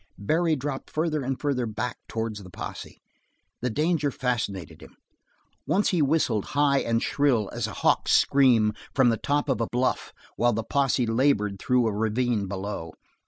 Barry dropped further and further back towards the posse. The danger fascinated him. Once he whistled high and shrill as a hawk's scream from the top of a bluff while the posse labored through a ravine below.